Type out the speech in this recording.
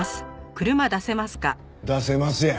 「出せます」や。